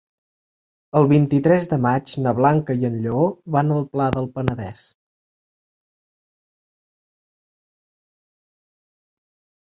El vint-i-tres de maig na Blanca i en Lleó van al Pla del Penedès.